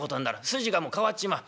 筋がもう変わっちまう。